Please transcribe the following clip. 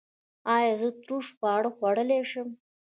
ایا زه ترش خواړه خوړلی شم؟